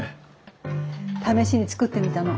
試しに作ってみたの。